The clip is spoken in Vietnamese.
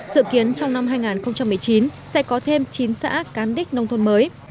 dự kiến trong năm hai nghìn một mươi chín sẽ có thêm chín xã cán đích nông thôn mới